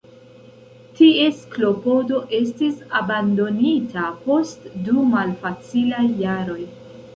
Ties klopodo estis abandonita post du malfacilaj jaroj.